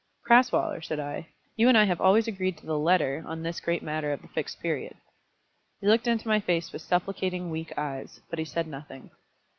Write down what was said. "Crasweller," said I, "you and I have always agreed to the letter on this great matter of the Fixed Period." He looked into my face with supplicating, weak eyes, but he said nothing.